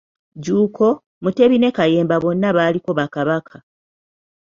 Jjuuko, Mutebi ne Kayemba bonna baaliko Bakabaka.